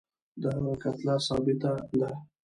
د هغه کتله ثابته ده.